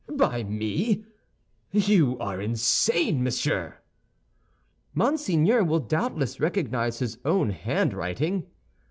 "By me? You are insane, monsieur." "Monseigneur will doubtless recognize his own handwriting."